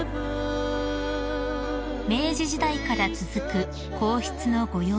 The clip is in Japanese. ［明治時代から続く皇室のご養蚕］